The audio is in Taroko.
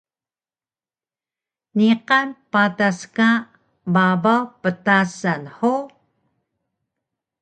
Niqan patas ka babaw ptasan hug?